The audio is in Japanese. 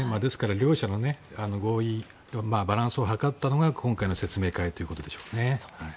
両社の合意のバランスを図ったのが今回の説明会ということでしょうね。